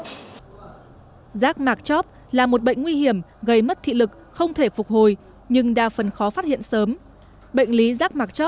bệnh lý giác mạc chóp là một bệnh nguy hiểm gây mất thị lực không thể phục hồi nhưng đa phần khó phát hiện sớm